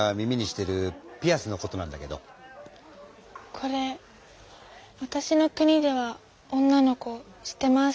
これわたしの国では女の子してます。